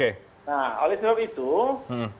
nah oleh sebab itu saya ingin